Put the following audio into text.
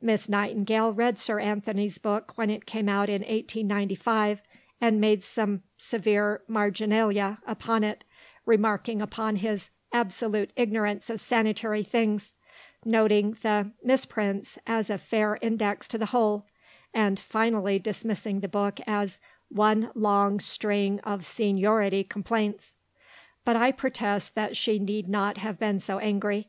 Miss Nightingale read Sir Anthony's book when it came out in 1895, and made some severe marginalia upon it; remarking upon his "absolute ignorance of sanitary things," noting the "misprints as a fair index to the whole," and finally dismissing the book as "one long string of Seniority complaints." But I protest that she need not have been so angry.